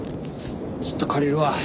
ちょっと借りるわ。